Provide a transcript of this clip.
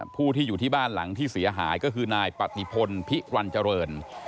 ผู้ที่อยู่ที่บ้านหลังที่เสียหายก็คือนายปฏิพลพิรันเจริญ